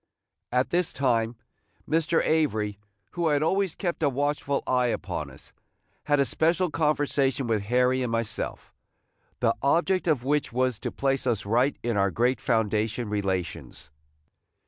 At this time, Mr. Avery, who had always kept a watchful eye upon us, had a special conversation with Harry and myself, the object of which was to place us right in our great foundation relations.